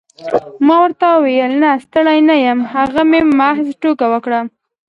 ما ورته وویل نه ستړی نه یم هغه مې محض ټوکه وکړه.